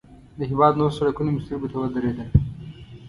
د هېواد نور سړکونه مې سترګو ته ودرېدل.